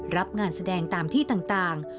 รับงานแสดงตามที่ต่าง